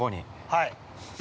◆はい。